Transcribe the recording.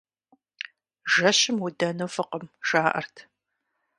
Жэщым удэну фӀыкъым, жаӀэрт.